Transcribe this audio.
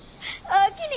おおきに！